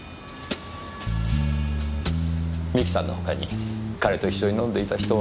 美紀さんの他に彼と一緒に飲んでいた人は？